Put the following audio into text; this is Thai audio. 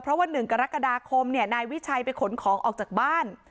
เพราะว่า๑กรกฎาคมนายวิชัยไปขนของออกจากบ้าน